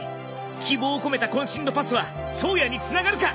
希望を込めた渾身のパスは颯也につながるか！？